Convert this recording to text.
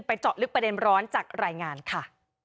เจาะลึกประเด็นร้อนจากรายงานค่ะ